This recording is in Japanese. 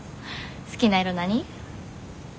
好きな色何？